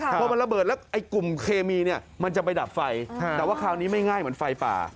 พอมันระเบิดแล้วไอ้กลุ่มเคมีเนี่ยมันจะไปดับไฟแต่ว่าคราวนี้ไม่ง่ายเหมือนไฟป่า